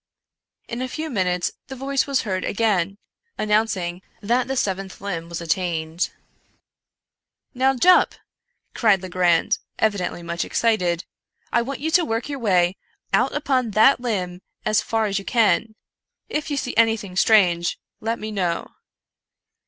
In a few minutes the voice was heard again, announcing that the seventh limb was attained. '' Now, Jup," cried Legrand, evidently much excited, " I want you to work your way out upon that limb as far as you can. If you see anything strange let me know."